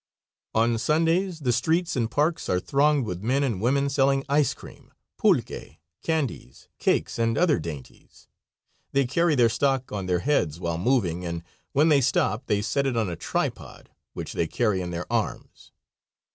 On Sundays the streets and parks are thronged with men and women selling ice cream, pulque, candies, cakes, and other dainties. They carry their stock on their heads while moving, and when they stop they set it on a tripod, which they carry in their arms.